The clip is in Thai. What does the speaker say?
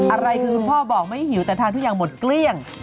อะไรคือคุณพ่อบอกไม่หิวแต่ทานทุกอย่างหมดเกลี้ยง